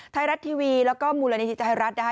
ไทยรัฐทีวีแล้วก็มูลนิธิไทยรัฐนะคะ